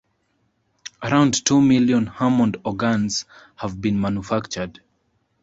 Around two million Hammond organs have been manufactured.